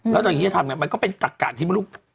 แล้วตอนนี้จะทำยังไงมันก็เป็นกระกะทิบลูก